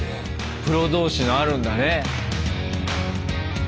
プロ同士のあるんだね。